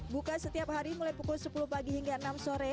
buka setiap hari mulai pukul sepuluh pagi hingga enam sore